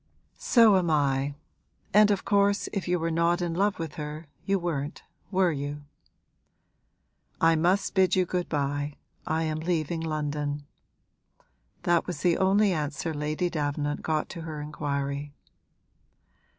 'So am I! And of course if you were not in love with her you weren't, were you?' 'I must bid you good bye, I am leaving London.' That was the only answer Lady Davenant got to her inquiry.